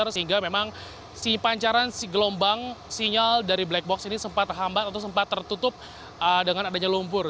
sehingga memang si pancaran si gelombang sinyal dari black box ini sempat terhambat atau sempat tertutup dengan adanya lumpur